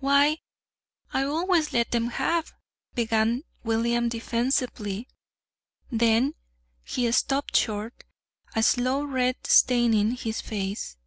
"Why, I always let them have " began William defensively; then he stopped short, a slow red staining his face.